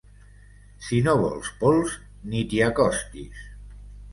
Si no vols pols, ni t'hi acostis.